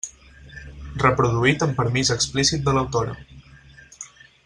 Reproduït amb permís explícit de l'autora.